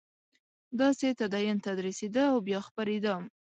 داسې تدین تدریسېده او بیا خپرېده.